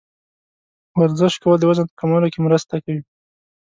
ورزش کول د وزن په کمولو کې مرسته کوي.